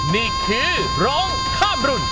นี่คือร้องข้ามรุ่น